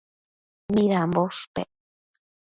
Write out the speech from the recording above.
Midambo ushpec